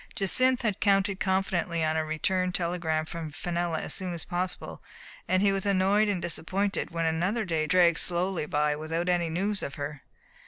Jacynth had counted confidently on a return telegram from Fenella as soon as possible, and he was annoyed and disappointed when another day dragged slowly by without any news of her.